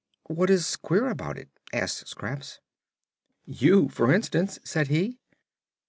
"What is queer about it?" asked Scraps. "You, for instance," said he.